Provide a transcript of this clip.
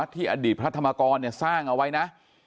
อดีตพระธรรมกรสร้างเอาไว้นะ